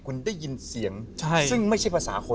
คุณได้ยินเสียงซึ่งไม่ใช่ภาษาคน